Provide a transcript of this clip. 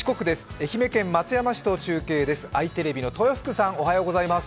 愛媛県松山市と中継です。